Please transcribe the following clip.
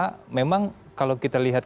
karena memang kalau kita lihat